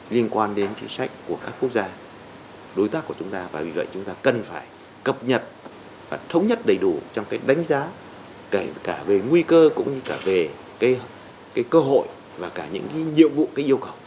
liên quan đến chính sách của các quốc gia đối tác của chúng ta và vì vậy chúng ta cần phải cập nhật và thống nhất đầy đủ trong cái đánh giá cả về nguy cơ cũng như cả về cái cơ hội và cả những nhiệm vụ cái yêu cầu